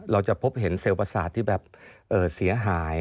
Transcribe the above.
เราจะพบเห็นเซลล์ประสาทที่แบบเสียหาย